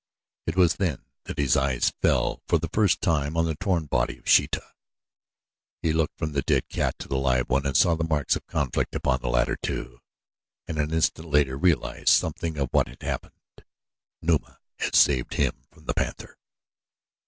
It was then that his eyes fell for the first time on the torn body of Sheeta. He looked from the dead cat to the live one and saw the marks of conflict upon the latter, too, and in an instant realized something of what had happened Numa had saved him from the panther!